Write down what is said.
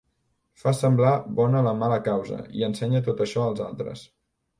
Fa semblar bona la mala causa, i ensenya tot això als altres.